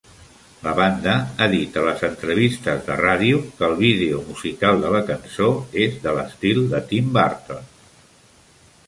La banda ha dit a les entrevistes de ràdio que el vídeo musical de la cançó és de l'estil de Tim Burton.